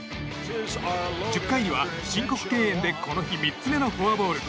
１０回には申告敬遠でこの日３つ目のフォアボール。